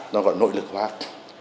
nó gọi nội lực hoạt